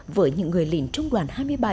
với những người lĩnh trung đoàn hai mươi bảy